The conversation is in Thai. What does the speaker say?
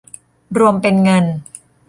รวมเป็นเงิน